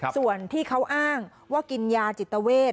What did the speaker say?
ส่วนที่เขาอ้างว่ากินยาจิตเวท